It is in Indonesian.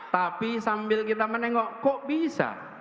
tapi sambil kita menengok kok bisa